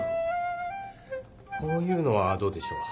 こういうのはどうでしょう？